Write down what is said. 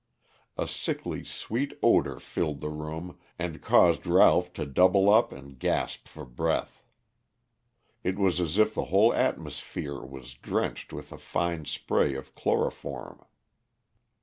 A sickly sweet odor filled the room and caused Ralph to double up and gasp for breath. It was as if the whole atmosphere was drenched with a fine spray of chloroform.